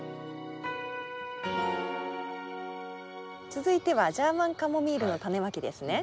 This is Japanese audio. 続いてはジャーマンカモミールのタネまきですね？